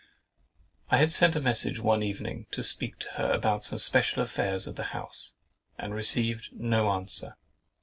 I had sent a message one evening to speak to her about some special affairs of the house, and received no answer.